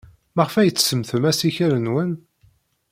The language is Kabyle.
Maɣef ay tsemmtem assikel-nwen?